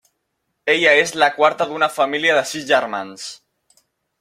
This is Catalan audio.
Ella és la quarta d'una família de sis germans.